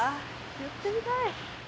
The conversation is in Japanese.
言ってみたい。